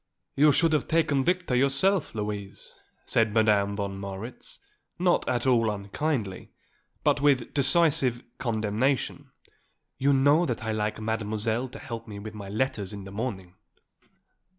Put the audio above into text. "You should have taken Victor yourself, Louise," said Madame von Marwitz, not at all unkindly, but with decisive condemnation. "You know that I like Mademoiselle to help me with my letters in the morning."